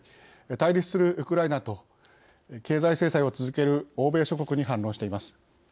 対立するウクライナと経済制裁を続ける欧米諸国に反論しています。